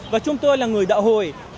và chúng tôi là người đạo hồi